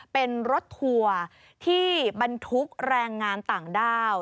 เป็นรถทัวร์ที่บรรทุกแรงงานต่างด้าว